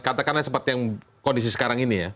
katakanlah seperti yang kondisi sekarang ini ya